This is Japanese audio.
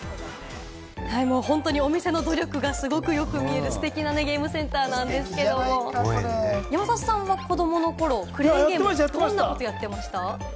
本当にお店の努力がすごくよく見える、ステキなゲームセンターなんですけれども、山里さんは子どもの頃クレーンゲーム、どんなことをやってました？